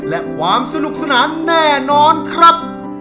และความสนุกสนานแน่นอนครับ